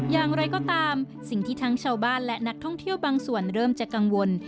อย่างไรก็ตามสิ่งที่ทั้งชาวบ้านและนักท่องเที่ยวบางส่วนเริ่มจะกังวล